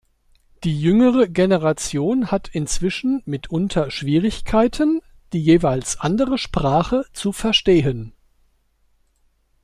Die jüngere Generation hat inzwischen mitunter Schwierigkeiten, die jeweils andere Sprache zu verstehen.